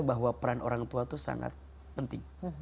bahwa peran orang tua itu sangat penting